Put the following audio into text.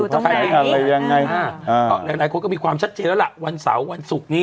หลายคนก็มีความชัดเจนแล้วละวันเสาร์วันศุกร์นี้